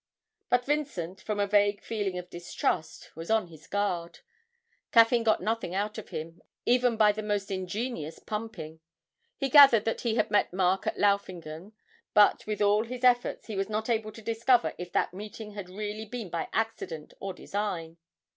But Vincent, from a vague feeling of distrust, was on his guard. Caffyn got nothing out of him, even by the most ingenious pumping; he gathered that he had met Mark at Laufingen; but with all his efforts he was not able to discover if that meeting had really been by accident or design.